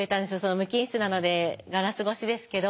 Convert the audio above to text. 無菌室なのでガラス越しですけど。